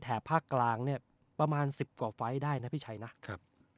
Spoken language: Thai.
ภาคกลางเนี่ยประมาณสิบกว่าไฟล์ได้นะพี่ชัยนะครับ